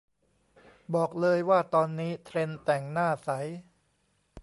บอกเลยว่าตอนนี้เทรนด์แต่งหน้าใส